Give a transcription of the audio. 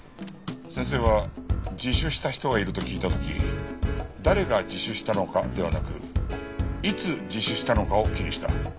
先生は自首した人がいると聞いた時「誰が」自首したのかではなく「いつ」自首したのかを気にした。